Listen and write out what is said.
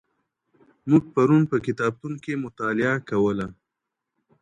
موږ پرون په کتابتون کې مطالعه کوله.